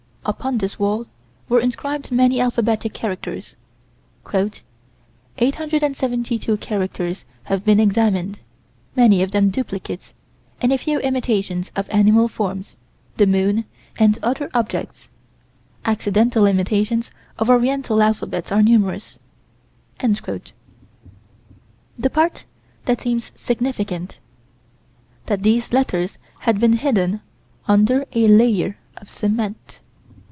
Upon this wall were inscribed many alphabetic characters. "872 characters have been examined, many of them duplicates, and a few imitations of animal forms, the moon, and other objects. Accidental imitations of oriental alphabets are numerous." The part that seems significant: That these letters had been hidden under a layer of cement.